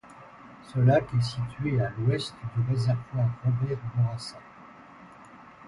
Ce lac est situé à l'ouest du réservoir Robert-Bourassa.